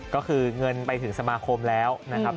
ก็คือเงินไปถึงสมาคมแล้วนะครับ